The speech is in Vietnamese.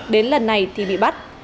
đến lần này thì bị bắt